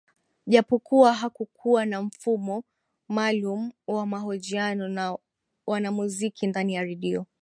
Japokuwa hakukuwa na mfumo maalumu wa mahojiano na wanamuziki ndani ya Radio